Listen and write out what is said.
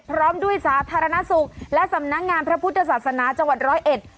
พร้อมด้วยสาธารณสุขและสำนักงานพระพุทธศาสนาจังหวัดร้อยเอ็ด